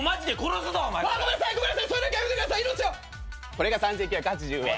これが３，９８０円。